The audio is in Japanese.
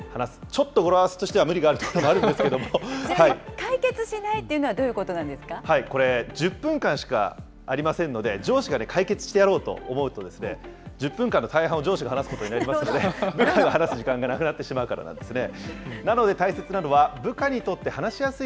ちょっと語呂合わせとしては無理があるところがあるんですけれど解決しないっていうのはどうこれ、１０分間しかありませんので、上司が解決してやろうと思うと、１０分間の大半を上司が話すことになりますので、部下が話す時間がなくなってしまうからなんですね。